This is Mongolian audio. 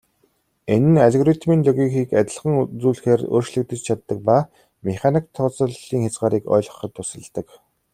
Энэ нь алгоритмын логикийг адилхан үзүүлэхээр өөрчлөгдөж чаддаг ба механик тооцооллын хязгаарыг ойлгоход тусалдаг.